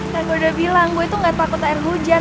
yang gue udah bilang gue itu nggak takut air hujan rik